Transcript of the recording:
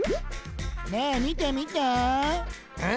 ねえみてみてえ？